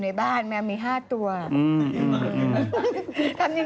หมาหมาหมาหมาหมาหมาหมาหมา